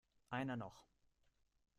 Einer noch!